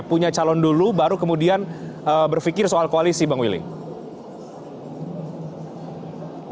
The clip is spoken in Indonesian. punya calon dulu baru kemudian berpikir soal koalisi bang willy